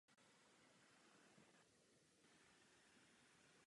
Lidé se světlou kůží mají riziko onemocnění dvojnásobně vyšší než lidé s kůží tmavou.